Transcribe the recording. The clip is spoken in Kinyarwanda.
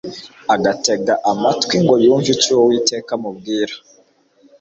agatega amatwi ngo yumve icyo Uwiteka amubwira